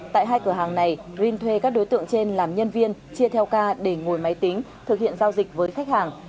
tại hai cửa hàng này rin thuê các đối tượng trên làm nhân viên chia theo k để ngồi máy tính thực hiện giao dịch với khách hàng